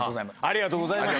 ありがとうございます。